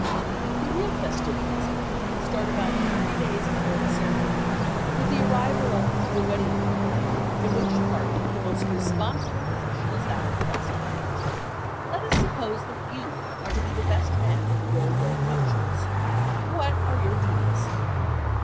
The real festivities of a wedding start about three days before the ceremony, with the arrival of the "wedding party," in which party the most responsible position is that of best man. Let us suppose that you are to be the best man at the Roe Doe nuptials. What are your duties?